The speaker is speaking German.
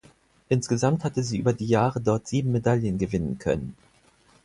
Insgesamt hatte sie über die Jahre dort sieben Medaillen gewinnen können.